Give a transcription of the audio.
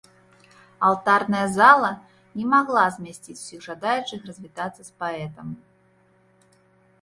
Алтарная зала на магла змясціць усіх жадаючых развітацца з паэтам.